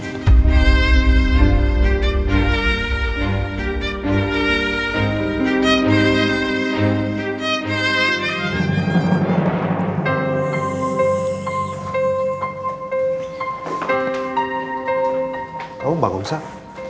kamu bangun pak